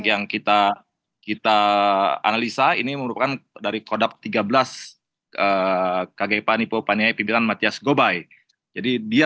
yang kita kita analisa ini merupakan dari kodab tiga belas kg panipo paniai pimpinan mathias gobai jadi dia